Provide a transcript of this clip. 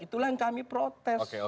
itulah yang kami protes